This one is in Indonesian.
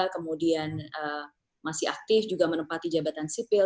kemudian masih aktif juga menempati jabatan sipil